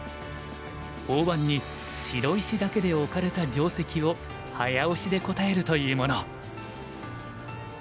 大盤に白石だけで置かれた定石を早押しで答えるというもの。